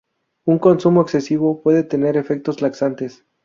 Un consumo excesivo puede tener efectos laxantes.